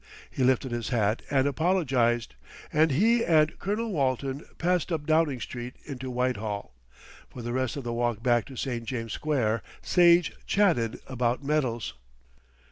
He lifted his hat and apologised, and he and Colonel Walton passed up Downing Street into Whitehall. For the rest of the walk back to St. James's Square, Sage chatted about medals.